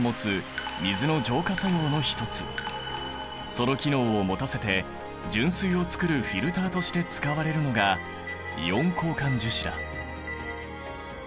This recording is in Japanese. その機能を持たせて純水をつくるフィルターとして使われるのがイオン交換樹脂だ。